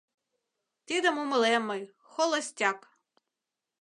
Тидым умылем мый — холостяк!